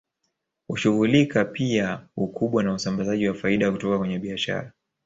Hushughulika pia ukubwa na usambazaji wa faida kutoka kwenye biashara